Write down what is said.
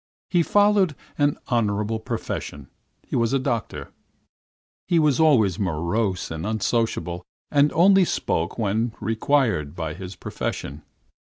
He followed an honorable profession: he was a doctor. He was always morose and unsociable, and only spoke when required by his profession.